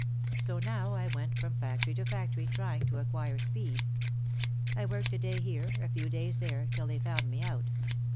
So now I went from factory to factory trying to acquire speed. I worked a day here, a few days there, till they found me out.